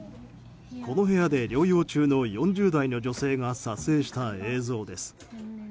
この部屋で療養中の４０代の女性が撮影した映像です。